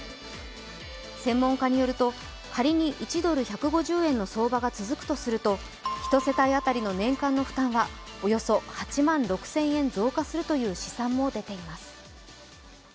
専門家によると、仮に１ドル＝１５０円の相場が続くとすると１世帯当たりの年間の負担はおよそ８万６０００円増加するという試算も出ています。